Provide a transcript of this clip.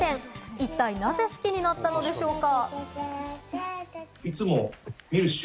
一体、なぜ好きになったのでしょうか？